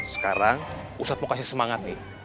sekarang pusat mau kasih semangat nih